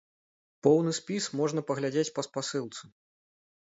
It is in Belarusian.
Поўны спіс можна паглядзець па спасылцы.